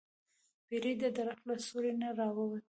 پیری د درخت له سوری نه راووت.